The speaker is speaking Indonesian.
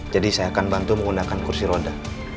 saya akan bantu menggunakan kursi roda